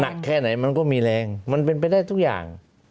แค่ไหนมันก็มีแรงมันเป็นไปได้ทุกอย่าง